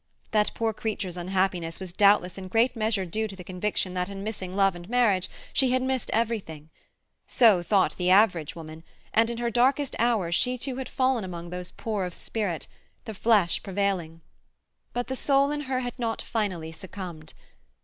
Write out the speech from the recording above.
That poor creature's unhappiness was doubtless in great measure due to the conviction that in missing love and marriage she had missed everything. So thought the average woman, and in her darkest hours she too had fallen among those poor of spirit, the flesh prevailing. But the soul in her had not finally succumbed.